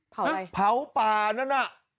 เผาอะไรเผาป่านั่นอ่ะ